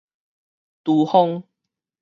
㧣風